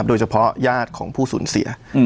โดยเฉพาะญาติของผู้สูญเสีย